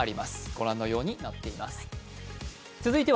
ご覧のようになっています。